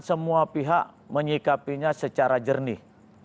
semua pihak menyikapinya secara jernih